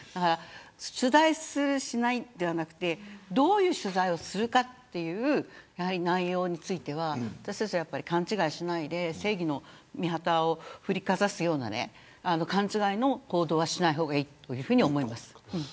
取材をする、しないではなくてどういう取材をするかという内容については勘違いしないで正義の御旗を振りかざすような勘違いの行動はしない方がいいと思います。